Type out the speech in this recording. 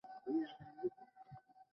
জাতীয় পার্টির অতিরিক্ত মহাসচিব তিনি।